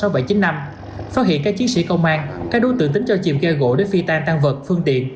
phát hiện các chiến sĩ công an các đối tượng tính cho chìm ghe gỗ để phi tan tăng vật phương tiện